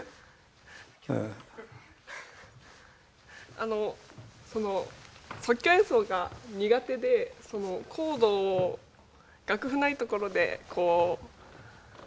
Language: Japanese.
あのその即興演奏が苦手でコード楽譜ないところでこう。